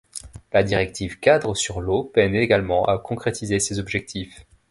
La directive cadre sur l'eau peine également à concrétiser ses objectifs.